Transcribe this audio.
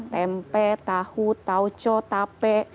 tempe tahu tauco tape